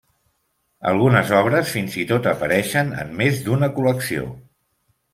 Algunes obres fins i tot apareixen en més d'una col·lecció.